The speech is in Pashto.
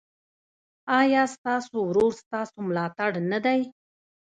ایا ستاسو ورور ستاسو ملاتړ نه دی؟